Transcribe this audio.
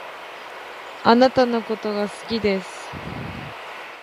貴方のことが好きです